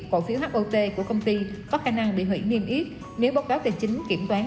cổ phiếu hot của công ty có khả năng bị hủy niêm yết nếu báo cáo tài chính kiểm toán